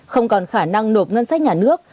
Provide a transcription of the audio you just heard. không còn khả năng nộp ngân sách nhà nước